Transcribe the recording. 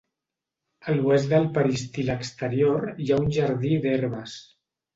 A l'oest del peristil exterior hi ha un jardí d'herbes.